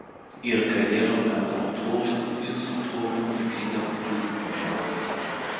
Ihre Karriere begann als Autorin und Illustratorin für Kinder- und Jugendbücher.